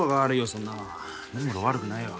そんなのは根室は悪くないよ